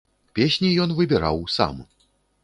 Песні ён выбіраў сам.